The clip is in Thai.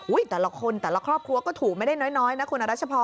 แต่ละคนแต่ละครอบครัวก็ถูกไม่ได้น้อยนะคุณรัชพร